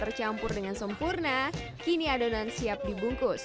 tercampur dengan sempurna kini adonan siap dibungkus